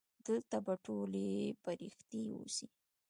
دلته به ټولې پرښتې اوسي.